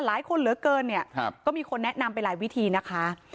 หลายคนเหลือเกินเนี่ยก็มีคนแนะนำไปหลายวิธีนะคะ